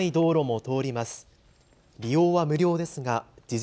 狭い道路も通ります。